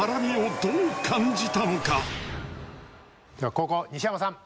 後攻西山さん